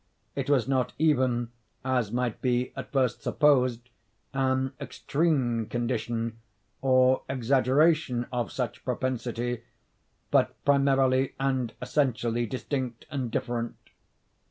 It was not even, as might be at first supposed, an extreme condition, or exaggeration of such propensity, but primarily and essentially distinct and different.